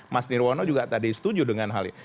mas nirwono juga tadi setuju dengan hal ini